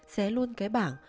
xé luôn cái bảng